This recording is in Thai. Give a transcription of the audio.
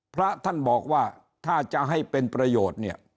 พระท่านบอกว่าถ้าจะให้เป็นประโยชน์เนี่ย